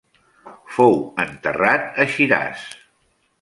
Fou enterrat a Shiraz.